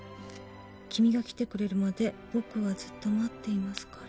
「君が来てくれるまで僕はずっと待っていますから」